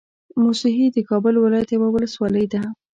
موسهي د کابل ولايت يوه ولسوالۍ ده